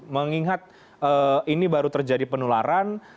mengingat ini baru terjadi penularan